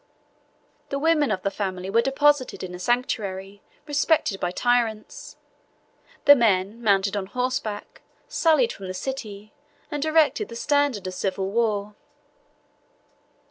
The women of the family were deposited in a sanctuary, respected by tyrants: the men, mounted on horseback, sallied from the city, and erected the standard of civil war.